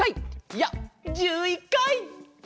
いや１１かい！